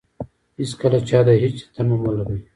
هېڅکله چاته د هېڅ شي تمه مه لرئ.